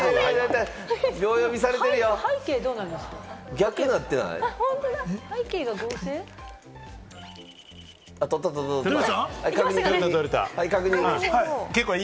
逆になってない？